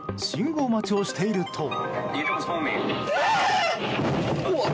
信号待ちをしていると。